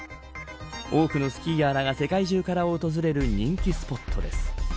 多くのスキーヤーらが世界中から訪れる人気スポットです。